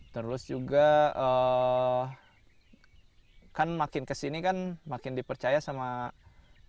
terus juga kan makin kesini kan makin dipercaya sama masyarakat